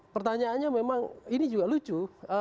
pertanyaannya memang ini juga lucu